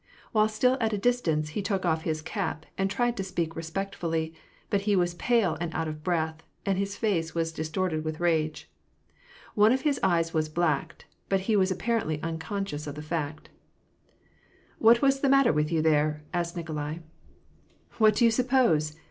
While still at a distance, he took off his cap, and tried to speak respectfully ; but he was pale and out of breath, and his face was distorted with rage. One of his eyes was blacked ; but he was apparently unconscious of the fact. " What was the matter with you there ?" asked Nikolai. " What do you suppose !